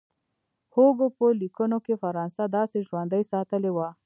هوګو په لیکونو کې فرانسه داسې ژوندۍ ساتلې وه.